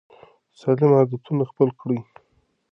سالم عادتونه خپل کړئ.